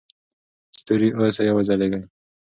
ستوري اوسئ او وځلیږئ.